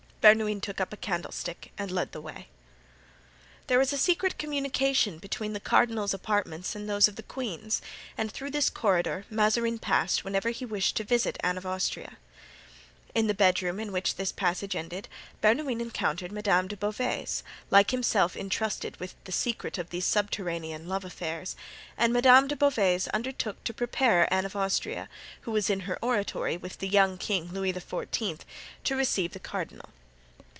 Bernouin took up a candlestick and led the way. There was a secret communication between the cardinal's apartments and those of the queen; and through this corridor* Mazarin passed whenever he wished to visit Anne of Austria. *This secret passage is still to be seen in the Palais Royal. In the bedroom in which this passage ended, Bernouin encountered Madame de Beauvais, like himself intrusted with the secret of these subterranean love affairs; and Madame de Beauvais undertook to prepare Anne of Austria, who was in her oratory with the young king, Louis XIV., to receive the cardinal.